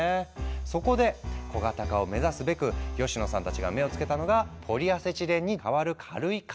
そこで小型化を目指すべく吉野さんたちが目をつけたのがポリアセチレンにかわる軽いカーボン素材。